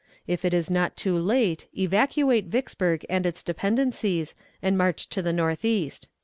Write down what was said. If it is not too late, evacuate Vicksburg and its dependencies, and march to the northeast."